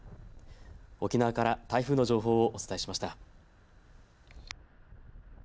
沖縄から台風の情報をお伝えしました。